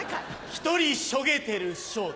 １人しょげてる昇太。